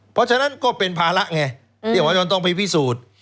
เพราะฉะนั้นก็เป็นภาระไงที่หมอยอนต้องไปพิสูจน์